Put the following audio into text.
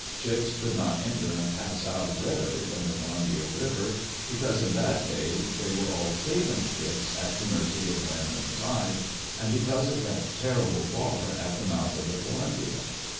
Ships could not enter and pass out readily from the Columbia River, because in that day they were all sailing ships, at the mercy of wind and tide, and because of that terrible bar at the mouth of the Columbia.